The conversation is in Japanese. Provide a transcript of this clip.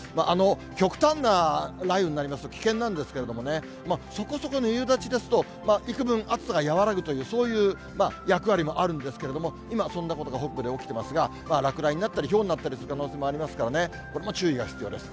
極端な雷雨になりますと、危険なんですけどもね、そこそこの夕立ですと、幾分、暑さが和らぐという、そういう役割もあるんですけども、今、そんなことが北部で起きてますが、落雷になったり、ひょうになったりする可能性もありますからね、これも注意が必要です。